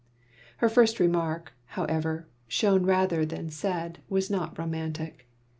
Her first remark, however, shown rather than said, was not romantic.